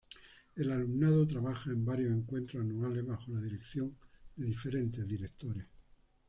El alumnado trabaja en varios encuentros anuales bajo la dirección de diferentes directores.